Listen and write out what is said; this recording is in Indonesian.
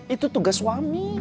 itu tugas suami